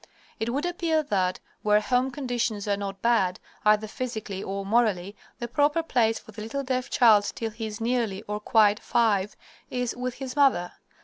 It would appear that, where home conditions are not bad, either physically or morally, the proper place for the little deaf child till he is nearly, or quite, five, is with his mother.